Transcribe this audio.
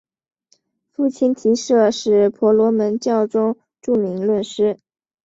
父亲提舍是婆罗门教中著名论师。